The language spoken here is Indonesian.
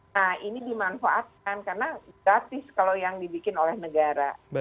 nah ini dimanfaatkan karena gratis kalau yang dibikin oleh negara